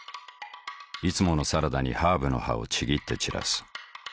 いつものサラダにハーブの葉をちぎって散らす。